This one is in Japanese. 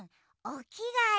おきがえ？